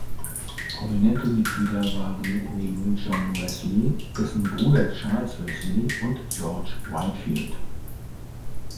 Prominente Mitglieder waren neben John Wesley dessen Bruder Charles Wesley und George Whitefield.